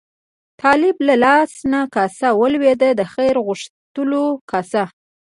د طالب له لاس نه کاسه ولوېده، د خیر غوښتلو کاسه.